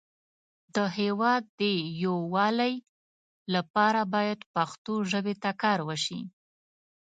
د هیواد د یو والی لپاره باید پښتو ژبې ته کار وشی